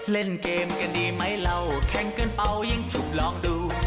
เล่นเกมกันดีไหมเราแข่งเกินเปล่ายังสุขลองดู